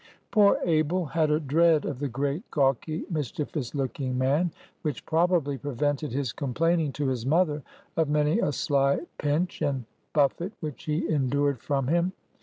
Poor Abel had a dread of the great, gawky, mischievous looking man, which probably prevented his complaining to his mother of many a sly pinch and buffet which he endured from him.